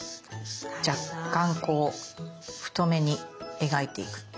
若干こう太めに描いていく。